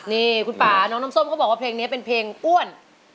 นี่คุณป่าน้องน้ำส้มเขาบอกว่าเพลงนี้เป็นเพลงอ้วน